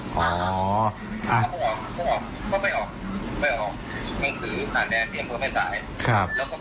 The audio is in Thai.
ใช่ครับ